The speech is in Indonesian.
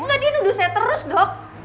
enggak dia nuduh saya terus dok